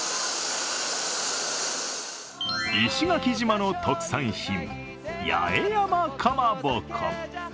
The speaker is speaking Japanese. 石垣島の特産品、八重山かまぼこ。